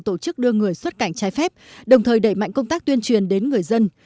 tổ chức đưa người xuất cảnh trái phép đồng thời đẩy mạnh công tác tuyên truyền đến người dân